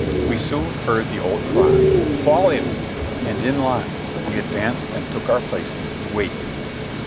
We soon heard the old cry, "Fall in," and in line we advanced and took our places, waiting.